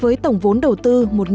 với tổng vốn đầu tư